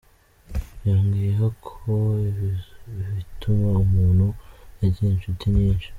Yongeyeho ko bituma umuntu agira inshuti nyinshi.